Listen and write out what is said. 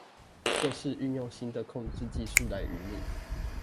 就是運用新的控制技術來愚民